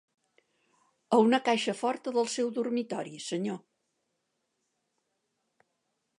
A una caixa forta del seu dormitori, senyor.